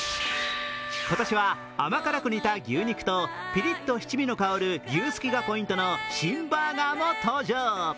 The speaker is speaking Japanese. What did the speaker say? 今年は甘辛く煮た牛肉とピリッと七味の香る牛すきがポイントの新バーガーも登場。